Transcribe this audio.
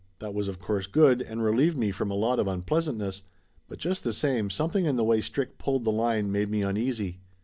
That was of course good, and relieved me from a lot of unpleasantness, but just the same some thing in the way Strick pulled the line made me uneasy.